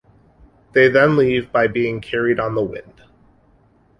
They then leave by being carried on the wind.